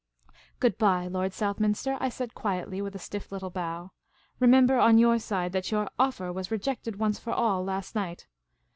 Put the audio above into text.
" Good bye, Lord Southminster," I said, quietly, with a stiff little bow. '' Remember, on your side, that your ' offer ' was rejected once for all last night.